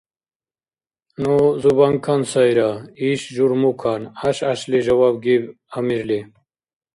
— Ну зубанкан сайра, иш – журмукан, — гӀяш-гӀяшли жаваб гиб Амирли.